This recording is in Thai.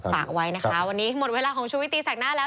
ฝากไว้นะคะวันนี้หมดเวลาของชุวิตตีแสกหน้าแล้ว